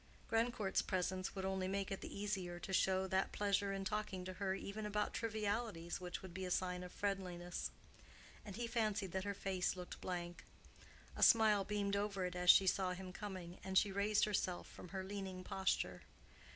Grandcourt's presence would only make it the easier to show that pleasure in talking to her even about trivialities which would be a sign of friendliness; and he fancied that her face looked blank. A smile beamed over it as she saw him coming, and she raised herself from her leaning posture.